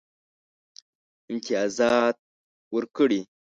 امتیازات ورکړي.